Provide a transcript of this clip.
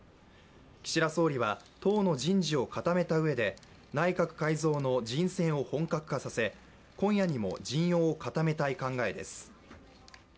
岸田総理は党の人事を固めたうえで内閣改造の人選を本格化させ今夜にも陣容を固めたい考えです。